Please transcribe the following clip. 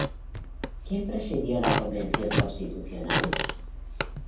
¿Quién presidió la Convención Constitucional?